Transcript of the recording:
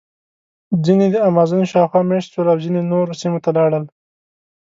ځینې د امازون شاوخوا مېشت شول او ځینې نورو سیمو ته لاړل.